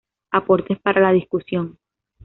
Aportes para la discusión.